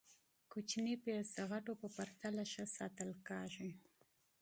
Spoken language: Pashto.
- کوچني پیاز د غټو په پرتله ښه ساتل کېږي.